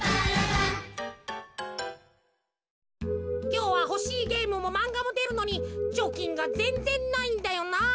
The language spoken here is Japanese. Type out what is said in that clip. きょうはほしいゲームもまんがもでるのにちょきんがぜんぜんないんだよなあ。